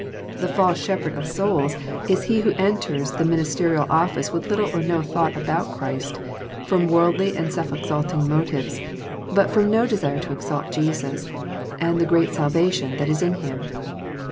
The false shepherd of 176 EXFOSITOET THOUGHTS. 8oals is he who enters the ministerial office with little or no thought about GhrTst, from worldly and self exalting motives, but from no desire to exalt Jesus, and the great salvation that is in Him.